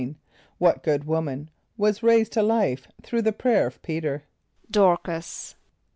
= What good woman was raised to life through the prayer of P[=e]´t[~e]r? =Dôr´cas.